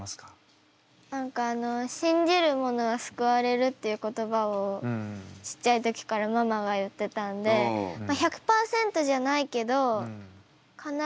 何かあの信じる者はすくわれるっていう言葉をちっちゃい時からママが言ってたんでまあ１００％じゃないけどかなうとは思います。